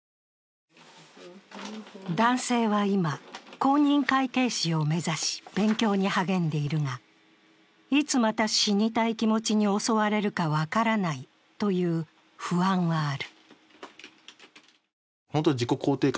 男性は今、公認会計士を目指し勉強に励んでいるがいつまた死にたい気持ちに襲われるか分からないという不安はある。